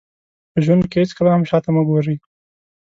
په ژوند کې هېڅکله هم شاته مه ګورئ.